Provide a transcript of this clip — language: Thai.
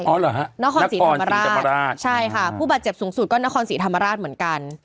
เหรอฮะนครศรีธรรมราชใช่ค่ะผู้บาดเจ็บสูงสุดก็นครศรีธรรมราชเหมือนกัน